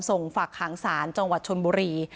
ฝากหางศาลจังหวัดชนบุรี